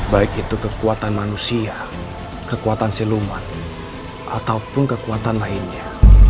baik itu kekuatan manusia kekuatan siluman ataupun kekuatan lainnya